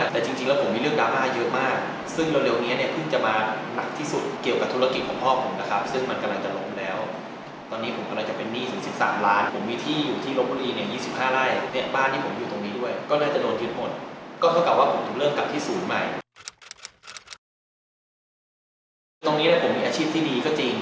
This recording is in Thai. ตรงนี้ผมมีอาชีพที่ดีก็จริง